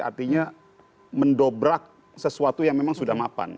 artinya mendobrak sesuatu yang memang sudah mapan